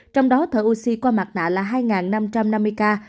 trong đó thở oxy qua mặt nạ là hai năm trăm năm mươi ca